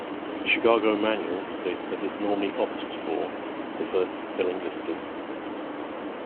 The "Chicago Manual" states that it "normally opts for" the first spelling listed.